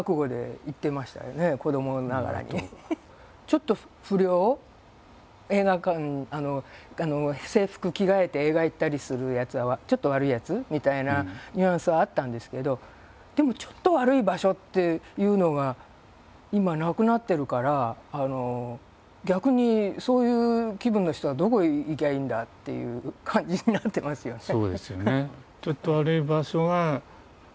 ちょっと不良映画館制服着替えて映画行ったりするやつらはちょっと悪いやつみたいなニュアンスはあったんですけどでもちょっと悪い場所っていうのが今なくなってるから逆にそういう気分の人はどこへ行きゃいいんだっていう感じになってますよね。